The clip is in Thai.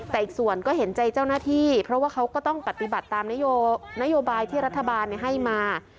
แต่อีกส่วนก็เห็นใจเจ้าหน้าที่เพราะว่าเขาก็ต้องปฏิบัติตามนโยบายที่รัฐบาลให้มา